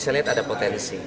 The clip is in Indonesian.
saya lihat ada potensi